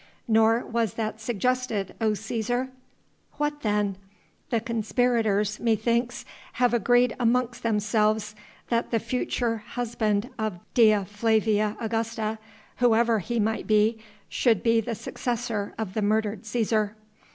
"Nor was that suggested, O Cæsar." "What then?" "The conspirators, methinks, have agreed amongst themselves that the future husband of Dea Flavia Augusta whoever he might be should be the successor of the murdered Cæsar."